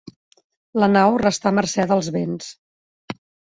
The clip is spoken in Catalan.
La nau restà a mercè dels vents.